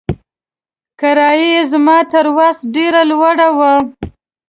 کرایه یې زما تر وس ډېره لوړه وه.